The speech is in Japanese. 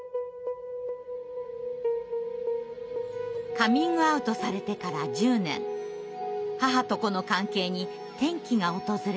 カミングアウトされてから１０年母と子の関係に転機が訪れます。